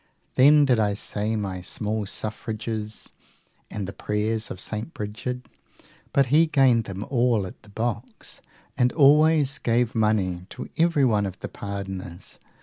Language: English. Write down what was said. Then did I say my small suffrages and the prayers of St. Brigid; but he gained them all at the boxes, and always gave money to everyone of the pardoners.